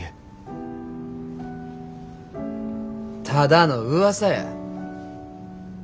ただのうわさや。